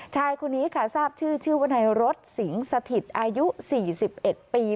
ชายคนนี้ค่ะทราบชื่อชื่อว่านายรถสิงสถิตอายุ๔๑ปี